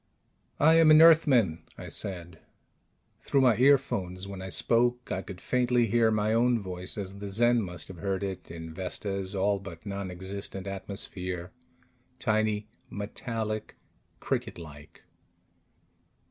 "I am an Earthman," I said. Through my earphones, when I spoke, I could faintly hear my own voice as the Zen must have heard it in Vesta's all but nonexistent atmosphere: tiny, metallic, cricket like.